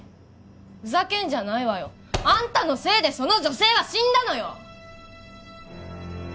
ふざけんじゃないわよあんたのせいでその女性は死んだのよ！